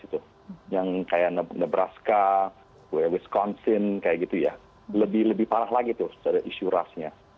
seperti nebraska wisconsin lebih parah lagi isu rasnya